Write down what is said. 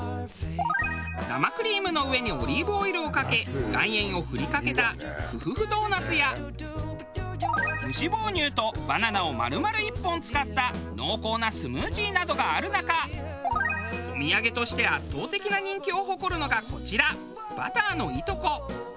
生クリームの上にオリーブオイルをかけ岩塩を振りかけたふふふドーナツや無脂肪乳とバナナを丸々１本使った濃厚なスムージーなどがある中お土産として圧倒的な人気を誇るのがこちらバターのいとこ。